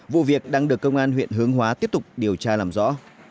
vụ việc đang được công an huyện hướng hóa tiếp tục điều tra làm rõ